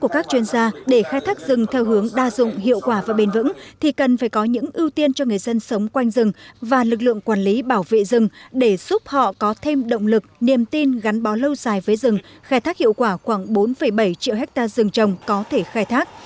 các chuyên gia để khai thác rừng theo hướng đa dụng hiệu quả và bền vững thì cần phải có những ưu tiên cho người dân sống quanh rừng và lực lượng quản lý bảo vệ rừng để giúp họ có thêm động lực niềm tin gắn bó lâu dài với rừng khai thác hiệu quả khoảng bốn bảy triệu hectare rừng trồng có thể khai thác